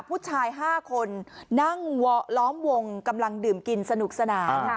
ผู้ชาย๕คนนั่งล้อมวงกำลังดื่มกินสนุกสนาน